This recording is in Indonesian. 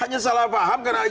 hanya salah paham